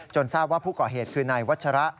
ทราบว่าผู้ก่อเหตุคือนายวัชระ